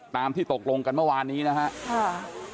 ตามที่ตกลงกันเมื่อวานนี้นะครับ